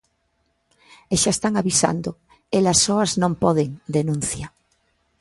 E xa están avisando, elas soas non poden, denuncia.